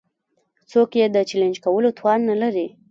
څوک يې د چلېنج کولو توان نه لري.